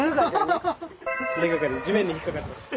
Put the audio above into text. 根掛かり地面に引っ掛かってました。